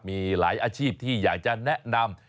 มีหลายอาชีพที่อยากจะแนะนำ